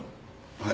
はい。